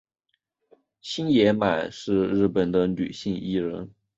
星野满是日本的女性艺人。